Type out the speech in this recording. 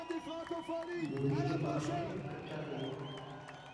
मोदी के पक्ष में कच्चा तेल